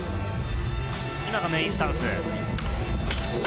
今がメインスタンス。